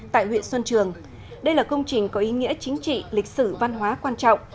tại huyện xuân trường đây là công trình có ý nghĩa chính trị lịch sử văn hóa quan trọng